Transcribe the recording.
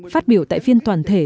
phát biểu tại phiên toàn thể